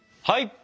はい！